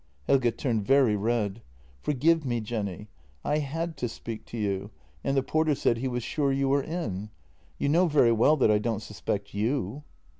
Helge turned very red. " Forgive me, Jenny — I had to speak to you, and the porter said he was sure you were in. You know very well that I don't suspect you."